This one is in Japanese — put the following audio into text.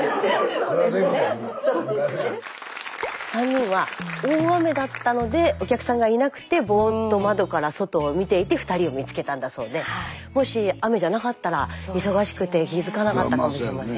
３人は大雨だったのでお客さんがいなくてボーッと窓から外を見ていて２人を見つけたんだそうでもし雨じゃなかったら忙しくて気付かなかったかもしれません。